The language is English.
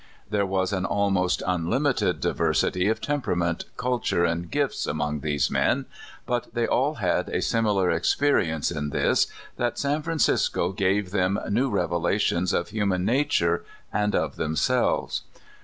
There was an al most unlimited diversity of temperament, culture, and gifts among these men ; but they all had a sim ilar experience in this, that San Francisco gave them new revelations of human nature and of themselves.